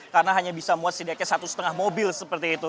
karena hanya bisa muat sedekatnya satu setengah mobil seperti itu